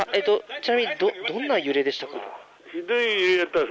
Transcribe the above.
ちなみにどんな揺れでしたか？